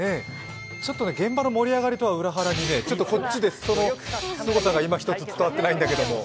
ちょっと、現場の盛り上がりとは裏腹にこっちでそのすごさが今１つ、伝わってないんだけど。